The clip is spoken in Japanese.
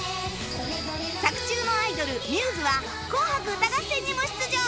作中のアイドル μ’ｓ は『紅白歌合戦』にも出場